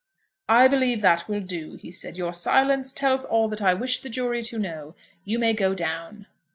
"I believe that will do," he said. "Your silence tells all that I wish the jury to know. You may go down."